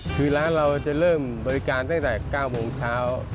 คือร้านเราจะเริ่มบริการตั้งแต่๙โมงเช้า